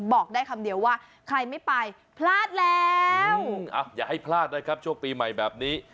บอกได้คำเดียวว่าใครไม่ไปพลาดแล้วอย่าให้พลาดนะครับช่วงปีใหม่แบบนี้